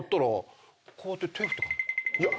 いや！